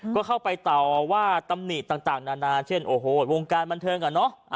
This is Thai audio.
ก็เข้าไปต่อว่าตำหนิต่างนานาเช่นโอ้โหวงการบันเทิงอ่ะเนอะ